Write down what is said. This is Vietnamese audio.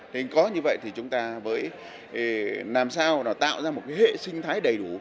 thế có như vậy thì chúng ta với làm sao nó tạo ra một hệ sinh thái đầy đủ